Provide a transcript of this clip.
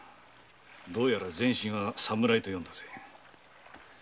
どうやら「前身は侍」と読んだぜ。